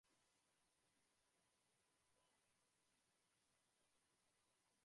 Costumbre que a veces ha sido criticada por la contaminación que provoca.